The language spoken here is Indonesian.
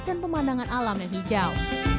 dan pemandangan alam yang hijau